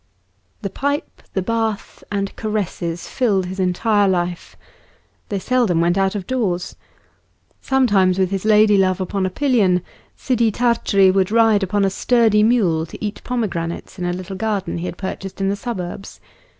The pipe, the bath, and caresses filled his entire life. They seldom went out of doors. Sometimes with his lady love upon a pillion, Sidi Tart'ri would ride upon a sturdy mule to eat pomegranates in a little garden he had purchased in the suburbs.